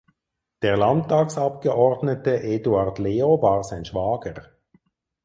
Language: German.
Der Landtagsabgeordnete Eduard Leo war sein Schwager.